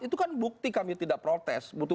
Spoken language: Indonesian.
itu kan bukti kami tidak protes